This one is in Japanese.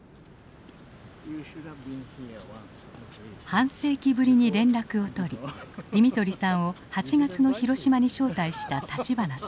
半世紀ぶりに連絡を取りディミトリさんを８月の広島に招待した立花さん。